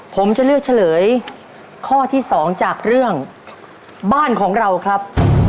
ผมจะเลือกเฉลยข้อที่๒จากเรื่องบ้านของเราครับ